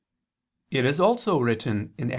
It is also written (Ex.